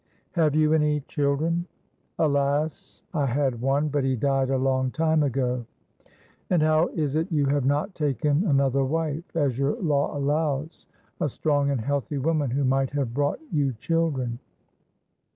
"Have you any children?" "Alas! I had one, but he died a long time ago." "And how is it you have not taken another wife, as your law allows a strong and healthy woman who might have brought you children?"